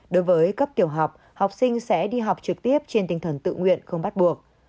đối với cấp tiểu học học sinh sẽ đi học trực tiếp trên tinh thần tự nguyện không bắt buộc